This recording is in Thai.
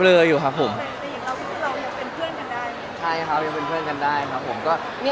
แล้วถ่ายละครมันก็๘๙เดือนอะไรอย่างนี้